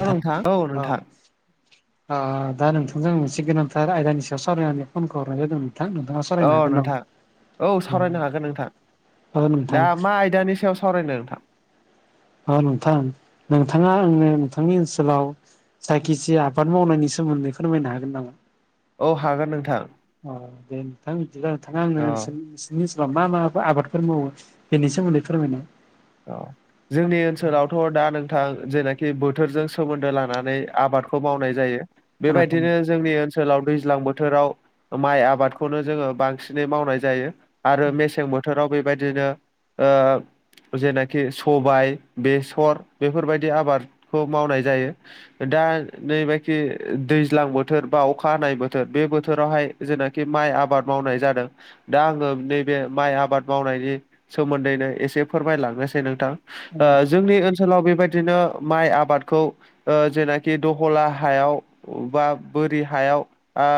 औ नोंथां औ नोंथां। आ दा नोंथांजों मोनसे गोनांथार आयदानि सायाव सावरायनानै फनखौ हरनाय जादोंमोन। औ नोंथां औ सावरायनो हागोन नोंथां। औ दा नोंथां मा आयदानि सायाव सावरायनो नोंथां। अ नोंथां नोंथाङा आंनो नोंथांनि ओनसोलाव। जायखिसे आबाद मावनायनि सोमोन्दै फोरमायनो हागोन नामा। औ हागोन नोंथां। अ दे नोंथां बिदिब्ला नोंथांङा आंनो। औ नि ओनसोलाव मा मा आबादफोर मावो बेनि सोमोन्दै फोरमायनाय। औ। जोंनि ओनसोलावथ' दा नोंथां जेनाखि बोथोरजों सोमोन्दो लानानै आबादखौ मावनाय जायो। बेबायदिनो। जोंनि ओनसोलाव दैज्लां बोथोराव माइ आबादखौनो जोङो बांसिनै मावनाय जायो। आरो मेसें बोथोराव बेबायदिनो ओ। जेनाखि सबाइ बेसर बेफोरबायदि आबादखौ मावनाय जायो। दा नैबायखि दैज्लां बोथोर बा अखा हानाय बोथोर बे बोथोरावहाय। जेनाखि माइ आबाद मावनाय जादों। दा आङो नैबे माइ आबाद मावनायनि सोमोन्दैनो एसे। फोरमायलांनोसै नोंथां ओ जोंनि ओनसोलाव बेबायदिनो माइ आबादखौ। ओ जेनाखि दहला हायाव बा बोरि हायाव आ।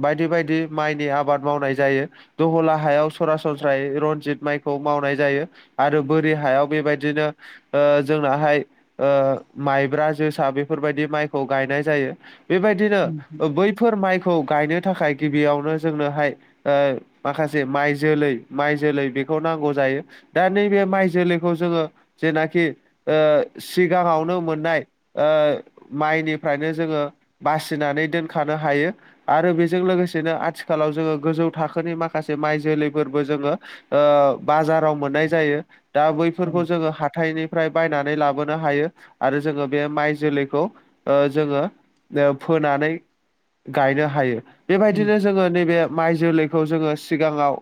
बायदि बायदि माइनि आबाद मावनाय जायो। दहला हायाव सरासनस्रायै रन्जित माइखौ मावनाय जायो। आरो बोरि हायाव बेबायदिनो ओ जोंनाहाय। ओ माइब्रा जोसा बेफोरबायदि माइखौ गायनाय जायो बेबायदिनो बै। बेफोर माइखौ गायनो थाखाय गिबियावनो जोंनोहाय। ओ माखासे माइ जोलै माइ जोलै बेखौ नांगौ जायो। दा नैबे माइ जोलैखौ जोङो। जेनाखि सिगाङावनो मोननाय। माइनिफ्रायनो जोङो बासिनानै दोनखानो हायो। आरो बेजों लोगोसेनो आथिखालाव जोङो गोजौ थाखोनि माखासे माइ जोलैफोरबो जोङो। ओ बाजाराव मोननाय जायो। दा बैफोरखौ जोङो हाथाइनि फ्राय बायनानै लाबोनो हायो आरो जोङो बे माइ जोलैखौ ओ जोङो। फोनानै गायनो हायो बेबायदिनो जोङो नैबे माइ जोलैखौ जोङो सिगाङाव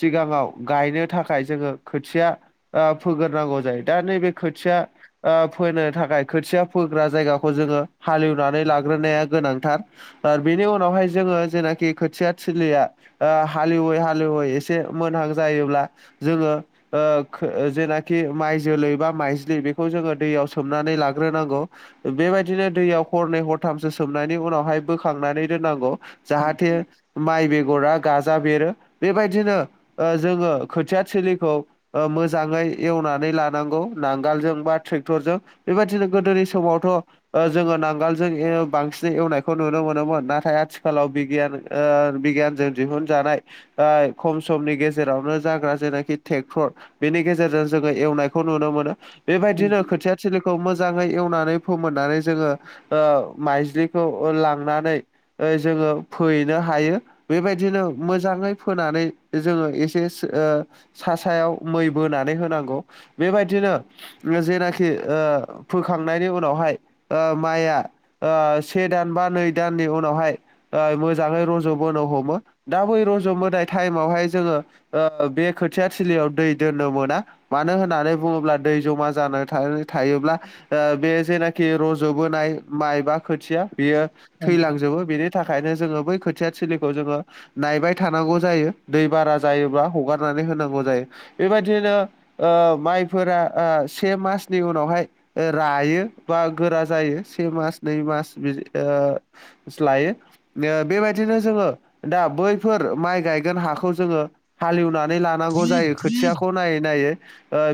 सिगाङाव गायनो थाखाय। जोङो खोथिया फोग्रोनांगौ जायो दा नैबे खोथिया ओ फोनो थाखाय खोथिया फोग्रा जायगाखौ जोङो हालेवनानै लाग्रोनाया गोनांथार। आरो बेनि उनावहाय जोङो जेनाखि खोथिया थिलिया हालेवै हालेवै एसे मोनहां जायोब्ला जोङो। ओ जेनाखि माइ जोलै बा माइज्लि बेखौ जोङो दैयाव सोमनानै लाग्रोनांगौ। बेबायदिनो दैयाव हरनै हरथामसो सोमनायनि उनावहाय बोखांनानै दोननांगौ। जाहाथे माइ बेगरा गाजा बेरो बेबायदिनो जोङो खोथिया। सिलिखौ मोजाङै एवनानै लानांगौ नांगोलजों बा ट्रेक्टरजों। बेबायदिनो गोदोनि समावथ' जोङो नांगोलजों बांसिनै एवनायखौ नुनो मोनोमोन नाथाय आथिखालाव बिगियान। बिगियानजों दिहुनजानाय खम समनि गेजेरावनो जाग्रा जेनाखि ट्रेक्टर बेनि गेजेरजों जोङो एवनायखौ नुनो मोनो बेबायदिनो खोथिया सिलिखौ मोजाङै एवनानै फोमोननानै जोङो माइजलिखौ लांनानै जोङो फैैनो हायो। बेबायदिनो मोजाङै फोनानै जोङो एसे सा सायाव मै बोनानै होनांगौ बेबायदिनो। जेनाखि फोखांनायनि उनावहाय माइआ ओ से दान बा नै दाननि उनावहाय मोजाङै रज'बोनो हमो दा बै रज'बोनाय टाइमावहाय जोङो। ओ बे खोथिया थलियाव दै दोननो मोना मानो होननानै बुङोब्ला दै जमा जानो थायोब्ला। बे जेनाखि रज'बो नाय माइ बा खोथिया बेयो थैलांजोबो बेनि थाखायनो जोङो बै खोथिया थलिखौ जोङो नायबाय थानांगौ जायो दै बारा जायोब्ला हगार नानै होनांगौ जायो बेबायदिनो। माइफोरा से मासनि उनावहाय। रायो बा गोरा जायो से मास नै मास बिदि लायो। बेबायदिनो जोङो दा बैफोर माइ गायगोन हाखौ जोङो हालएवनानै। नानै लानांगौ जायो खोथियाखौ नायै नायै।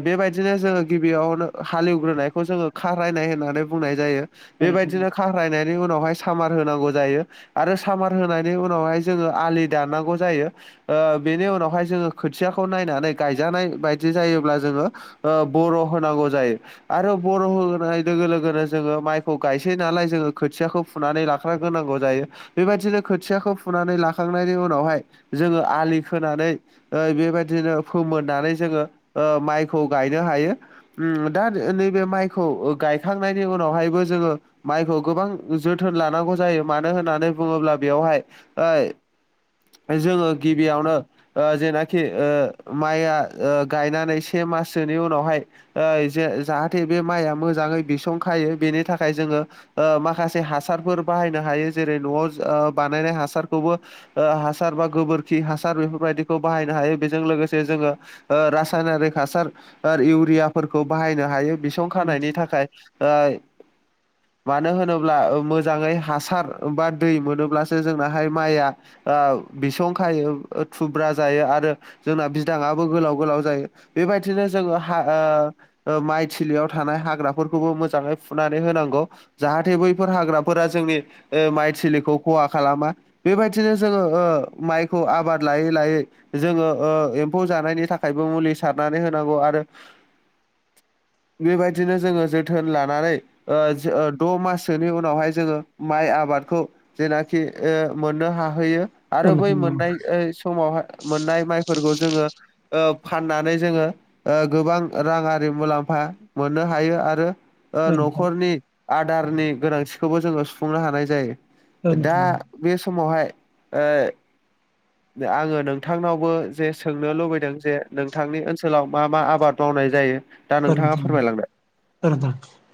बेबायदिनो जोङो गिबियावनो हालेवग्रोनायखौ जोङो खायनाय होननानै बुंनाय जायो। बेबायदिनो ख्रायनायनि उनावहाय सामार होनांगौ जायो। आरो सामार होनायनि उनावहाय जोङो आलि दाननांगौ जायो बेनि उनावहाय जोङो। खोथियाखौ नायनानै गायजानाय बायदि जायोब्ला जोङो बर' होनांगौ जायो। आरो बर' होनाय लोगो लोगोनो जोङो माइखौ गायसै नालाय जोङो खोथियाखौ। फुनानै लाख्र ग्रोनांगौ जायो बेबायदिनो खोथियाखौ फुनानै लाखांनायनि उनावहाय। जोङो आलि खोनानै बेबायदिनो फोमोननानै जोङो माइखौ गायनो हायो। दा नैबे माइखौ गायखांनायनि उनावहायबो जोङो। माइखौ गोबां जोथोन लानांगौ जायो मानो होननानै बुङोब्ला बेवहाय ओ जोङो गिबियावनो। जेनाखि माइया गायनानै से माससोनि उनावहाय जे जाहाथे बे माइआ मोजाङै बिसंखायो बेनि थाखाय जोङो माखासे हासारफोर बाहायनो हायो जेरै न'आव बानायनाय हासारखौबो हासार बा गोबोरखि हासार बेफोरबायदिखौ बाहायनो हायो बेजों लोगोसे जोङो रासायनारिक हासार इउरियाफोरखौ बाहायनो हायो बिसं खानायनि थाखाय ओइ मानो होनोब्ला मोजाङै हासार बा दै मोनोब्लासो जोंनाहाय माइआ ओ बिसं खायो थुब बब्रा जायो आरो जोंना बिदाङाबो गोलाव गोलाव जायो बेबायदिनो जोङो ह माइ थिलियाव थानाय हाग्राफोरखौबो मोजाङै फुनानै होनांगौ जाहाथे बैफोर हाग्राफोरा जोंनि माइ थिलिखौ खहा खालामा बेबायदिनो जोङो माइखौ आबाद लायो लायै जोङो एम्फौ जानायनि थाखायबो मुलि सारनानै होनांगौ आरो [unintelligible] बेबायदिनो जोङो जोथोन लानानै द' माससोनि उनावहाय जोङो माइ आबादखौ जेनाखि मोननो हाहैयो आरो बै मोननाय समावहाय मोननाय माइफोरखौ जोङो फाननानै जोङो गोबां राङि मुलाम्फा मोननो हायो आरो न'खरनि आदारनि गोनांथिखौबो जोङो सुफुंनो हानाय जायो दा बे समावहाय आङो नोंथांनावबो जे सोंनो लुबैदों जे नोंथांनि ओनसोलाव मा मा आबाद मावनाय जायो दा [unintelligible] नोंथाङा फोरमायलांदों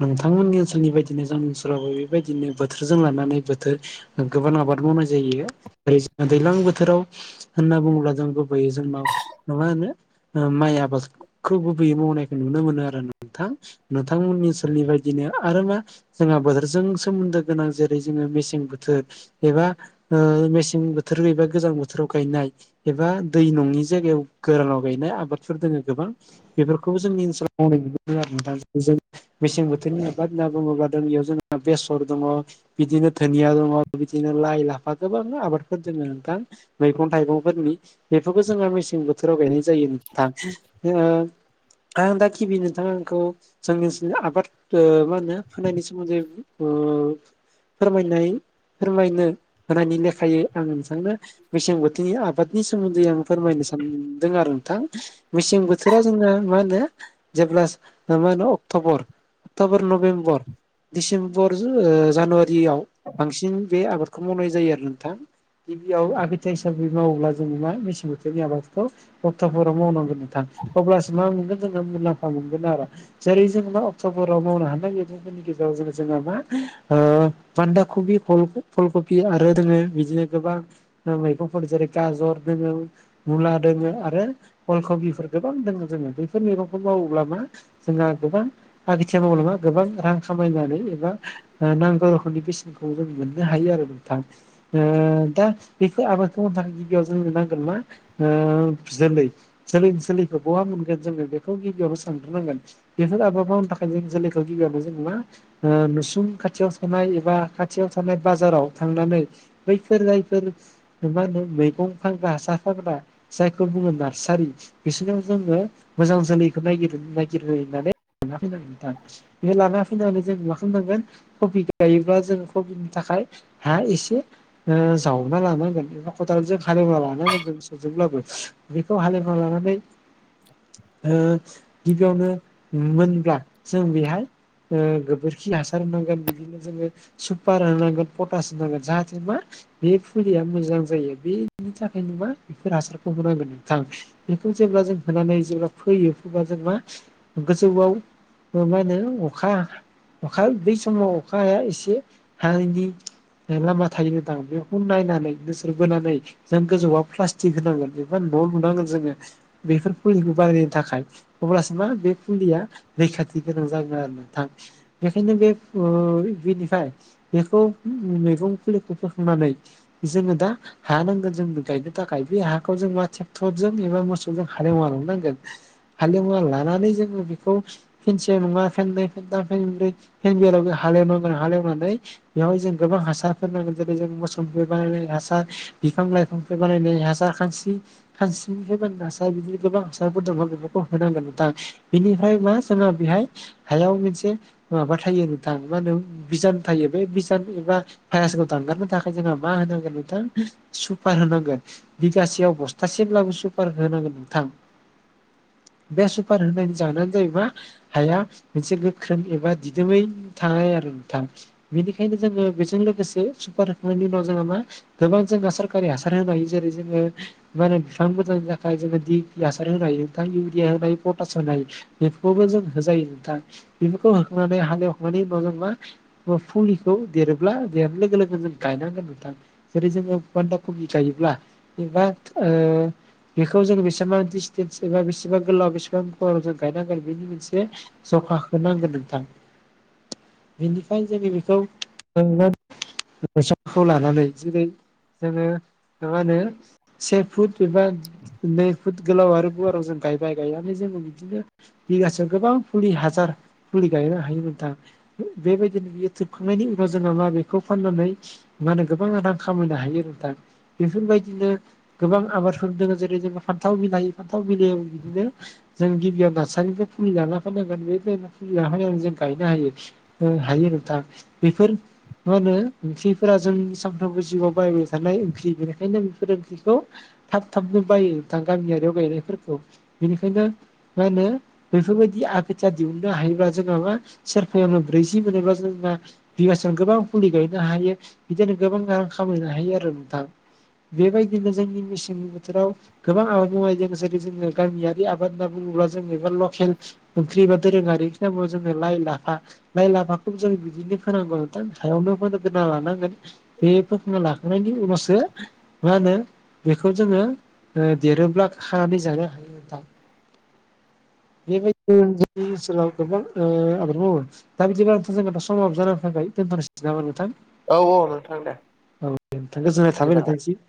नोंथांमोननि ओनसोलनि बायदिनो जोंनि ओनसोलावबो बेबायदिनो बोथोरजों लानानै बोथोर गोबां आबाद मावनाय जायो ओरै जों दैज्लां बोथोराव होनना बुङोब्ला जों गुबैयै जोंनाव मङा होनो माइ आबादखौ गुबैयै मावनाय नुनो मोनो आरो नोंथां नोंथांमोननि ओनसोलनि बायदिनो आरो मा जोंहा बोथोरजों सोमोन्दो गोनां जेरै जोङो मेसें बोथोर एबा मेसें बोथोर गबा गोजां बोथोराव गायनाय एबा दै नङि जायगायाव गोरानाव गायनाय आबादफोर दोङ गोबां बेफोरखौ [unintelligible] मेसें बोथोरनि आबाद होनना बुङोबाों बेयाव जोंहा बेसर दङ बिदिनो धोनिया दङ बिदिनो लाइ लाफा गोबां आबादफोर जोङो नोंथां मैगं थाइगंफोरनि बेफोरखौ जोङो मेसें बोथोराव गायनाय जायो नोंथां आं दा गिबि नोंथाङा आंखौ जोंनि ओनसोल आबाद मा होनो फोनायनि सोमोन्दै फोरमायनाय फोरमायनो होनायनि लेखायै आं नोंथांनो मेसें बोथोरनि आबादनि सोमोन्दै आं फोरमायनो सानदों आरो नोंथां मेसें बोथोरा जोंना मा होनो जेब्ला मा होनो अक्टबर अक्ट'बर नभेमबर दिडिसेम्बर जानुवारियाव बांसिन बे आबादखौ मावनाय जायो आरो नोंथां गिबियाव आगैथायाइ हिसाबै मावोब्ला जोों मा मेसें बोथोरनि आबादखौ हप्ताफोराव मावनांगोन न अब्लासो मा मोनगोन जोङो मुलाम्फा मोनगोन आरो जेरै जों मा अक्ट'बराव मावनो हानाय बे गेजाव जों मा बान्दा कबि फुलकबि आरो जोङो बिदिनो गोबा मैगंफोर जेरै गाजर दङ मुला दोङो आरो अल कबिफोर गोबां दङ जोङो बेफोर मैगंखौ मावोब्ला मा जोंहा गोबां आगेथिया माव नङा गोबां रां खामायनानै एबा नांगौ रोखोमनि बेसेनखौ जों मोननो हायो आरो नोंथां दा बेखौ आबादखौ मावनो थाखाय गिबियाव जोंनो नांगोन मा जोलै सोल सोलखौ बहा मोनगोन जोङो बेखौ गिबियावनो सानग्रोनांगोन बेफोर आबाद मावनो थाखाय जों जोलैखौ गिबियावनो जोङो मा ओ नुसुं खाथियाव थानाय एबा खाथियाव थानाय बाजाराव थांनानै बैफोर जायफोर मा होनो मैगं फानग्रा हासार फानग्रा जायखौ बुङो नार्सारि बिसोराव जोङो मोजां जोलैखौ नागिर नागि गिरहैनानै लाना फैनांगोन नोंथां बे लाना फैनानै जों मा खालामनांगोन कबि गायोब्ला जों कबिनि थाखाय हा एसे ओ जावना लानांगोन एबा खदालजों हालेवना लानांगोन जों होजोबब्लाबो बेखौ हालेवना लानानै [unintelligible] ओ गिबियावनो मोनब्ला जों बेहाय ओ गोबोरखि हासार होनांगोन बिदिनो जोङो सुपार होनांगोन पटासि होनांगोन जाहाथे मा बे फुलिया मोजां जायो बेनि थाखाय नो मा बेफोर हासारखौ होनांगोन नोंथां बेखौ जेब्ला जों होनानै जेब्ला फैयो फोब्ला जों मा? गोजौआव मा होनो अखा अखा बै समाव अखाया एसे हानायनि लामा थायो नोंथां बेखौ नायनानै नोसोर बोनानै जों गोजौआव प्लास्टिक होनांगोन एबा न' लुनांगोन जोङो बेफोर फुलिखौ बानायायनो थाखाय अब्लासो मा बे फुलिया रैखाथि गोनां जागोन आरो नोंथां बेखायनो बे [inaudible] बेनिफ्राय बेखौ मैगं फुलिखौ फोखांनानै जोङो दा हा नांगोन जों गायनो थाखाय बे हाखौ जों मा ट्रेक्टरजों एबा मोसौजों हालेवना लानांगोन हालेवना लानानै जोङो बेखौ फेनसे नङा फेन्नै फेनथाम फेनब्रै फेनबिलाव बे हालेवनांगोन हालेवनानै बेवहाय जों गोबां हासारफोर नांगोन जेरै जों मोसौनिफ्राय बानायनाय हासार बिफां लाइफांफोर बानायनायाय हासार खानस्रि खानस्रिनिफ्राय बानायनाय हासार दा बेदिनो गोबां हासारफोर दङ बेफोरखौ होनांगोन नोंथां बिनिफ्राय मा जोङो बेहाय हायाव मोनसे माबा थायो नोंथां मा होनो बिजान थायो बे बिजान एबा फायासखौ दांगारनो थाखाय जोंहा मा होनांगोन नोंथां सुपार होनांगोन बिगासेयाव बस्थासिमब्लाबो सुपार होनांगोन नोंथां बे सुपार होनायनि जाहोनानो जायो मा? हाया मोनसे गोख्रों एबा दिदोमै थानाय आरो नोंथां बेनिखायनो जोङो बेजों लोगोसे सुपार होखांनायनि उनाव जोंहा मा? गोबां जोंना सरकारि हासार होनो हायो जेरै जोङो मा होनो बिफां मोजांनि थाखाय जोङो दि पि हासार होनो हायो नोंथां इउरिया होनोहायो पटास होनोहायो बेफोरखौबो जों होजायो नोंथां बेफोरखौ होखांनानै हालेवखांनायनि उनाव जों मा? फुलिखौ देरोब्ला देरनो लोगो लोगो गायनांगोन नोंथां जेरै जोङो बान्दा खबि गायोब्ला एबा ओ बेखौ जों मा दिचटेन्स एबा बेसेबां गोलाव बेसेबां गुवाराव जों गायनांगोन बेनि मोनसे जखा खो नांगोन नोंथां बिनिफ्राय जोङो बेखौ [unintelligible] साबखौ लानानै जेरै जोङो मा होनो? से फुट एबा नै फुट गोलाव आरो गुवाराव जों गायबाय गायनानै जोंङो बिदिनो बिगासेयाव गोबां फुलि हाजार फुलि गायनो हायो नोंथां बेबायदिनो बियोथोबखांनायनि उनाव जों मा बेखौ फाननानै मा होनो गोबाङा रां खामायनो हायो नोंथां बेफोरबायदिनो गोबां आबादफोर दङ जेरै जेनबा फान्थाव मिलइ फान्थाव मिलइयाव बिदिनो जों गिबियाव नार्सारिनिफ्राय फुलि लाना फैनांगोन बेबायफ्राय मा फुलिया हाय जों गायनो हायो हायो नोंथां बेफोर मा होनो ओंख्रिफोरा जोंनि सानफ्रोमबो जिउआव बाहायबाय थानाय ओंख्रि बेनिखायनो बेफोर ओंख्रिखौ थाब थाबनो बायो दा गामियारियाव गायनायफोरखौ बेनिखायनो मा होनो बेफोरबायदि आगोथिया दिहुननो हायोबा जोंहा मा सेरफायानो ब्रैजि मोनोबा जोंना बिगासिनो गोबां फुलि गायनो हायो बिदिनो गोबां रां खामायनो हायो आरो नोंथां बेबायदिनो जोंनि मेसें बोथोराव गोबां आबाद मावनाय जों जेरै जोङो गामियारि आबाद होनना बुङोब्ला जोंनि एबा लकेल ओंख्रि एबा दोरोङारि खौ जोङो लाइ लाफा लाइ लाफाखौ जों बिदिनो फोनांगौ नोंथां सायावनो फोगोरना लानांगोन बे फोथांना लाखांनायनि उनावसो मा होनो बेखौ जोङो ओह देरोब्ला खानानै जानो हायो नोंथां बेबायदिनो जोंनि ओनसोलाव गोबां ओह आबाद मावो दा बिदिबथ' जों समाव जानो थाखाय दोनथ'नोसै जागोन नोंथां औ औ नोंथां दे औ नोंथां गोजोननाय थाबाय बिदिबालाय नोंथांसिम